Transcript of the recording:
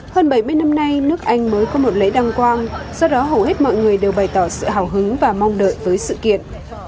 hơn bảy mươi năm nay nước anh mới có một lễ đăng quang do đó hầu hết mọi người đều bày tỏ sự hào hứng và mong đợi với sự kiện